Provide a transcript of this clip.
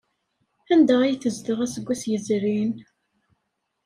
Anda ay tezdeɣ aseggas yezrin?